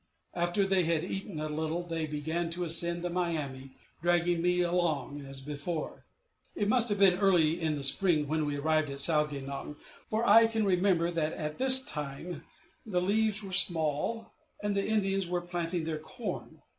After they had eaten a little, they began to ascend the Miami, dragging me along as before. It must have been early in the spring when we arrived at Sau ge nong, for I can remember that at this time the leaves were small, and the Indians were about planting their corn.